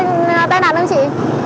không cũng dễ gây tên đàn không chị